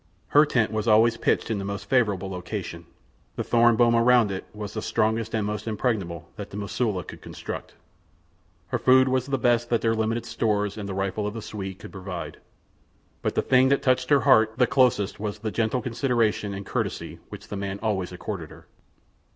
Her tent was always pitched in the most favourable location. The thorn boma round it was the strongest and most impregnable that the Mosula could construct. Her food was the best that their limited stores and the rifle of the Swede could provide, but the thing that touched her heart the closest was the gentle consideration and courtesy which the man always accorded her.